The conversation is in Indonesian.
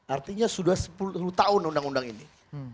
artinya sudah sepuluh tahun undang undang ini